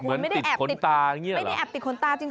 เหมือนติดขนตาไม่ได้แอบติดขนตาจริง